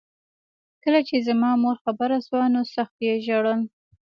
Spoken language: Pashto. کله چې زما مور خبره شوه نو سخت یې ژړل